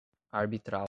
arbitral